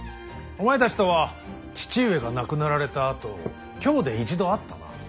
お前たちとは父上が亡くなられたあと京で一度会ったな。